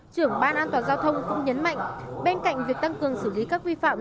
trưởng ban an toàn giao thông cũng nhấn mạnh bên cạnh việc tăng cường xử lý các vi phạm